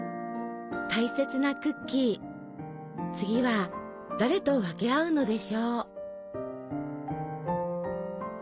大切なクッキー次は誰と分け合うのでしょう。